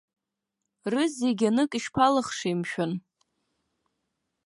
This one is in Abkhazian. Рызегьы анык ишԥалыхшеи, мшәан?!